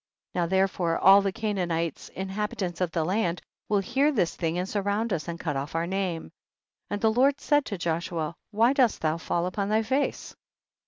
Now therefore all the Canaan ites, inhabitants of the land, will hear this thing, and surround us and cut off our name. 32. And the Lord said to Joshua, why dost thou fall upon thy face